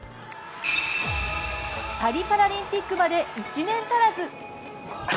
パリパラリンピックまで１年足らず。